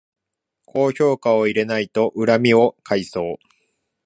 高評価を入れないと恨みを買いそう